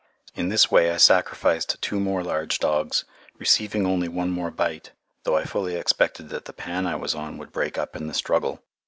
In this way I sacrificed two more large dogs, receiving only one more bite, though I fully expected that the pan I was on would break up in the struggle.